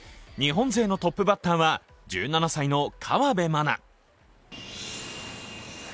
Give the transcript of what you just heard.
日本勢のトップバッターは１７歳の河辺愛菜。